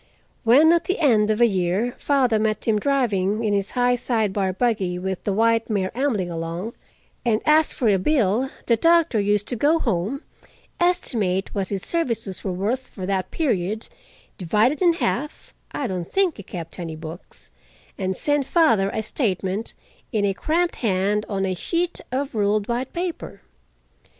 When, at the end of a year, father met him driving in his high side bar buggy with the white mare ambling along, and asked for a bill, the doctor used to go home, estimate what his services were worth for that period, divide it in half—I don't think he kept any books—and send father a statement, in a cramped hand, on a sheet of ruled white paper.